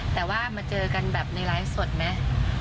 แต่ว่ามาเจอกันแบบในไลฟ์สดไหม